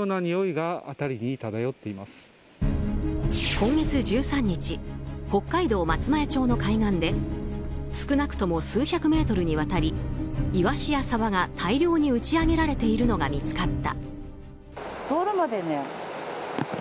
今月１３日北海道松前町の海岸で少なくとも数百メートルにわたりイワシやサバが大量に打ち上げられているのが見つかった。